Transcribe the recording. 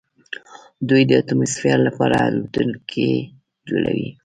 دوی د اتموسفیر لپاره الوتکې جوړوي.